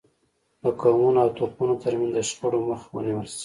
د قومونو او توکمونو ترمنځ د شخړو مخه ونیول شي.